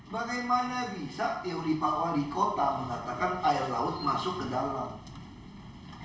bagaimana bisa yang di bawah di kota mengatakan air laut masuk ke dalam